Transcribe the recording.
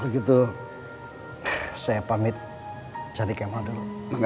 kalau gitu saya pamit jadi kema dulu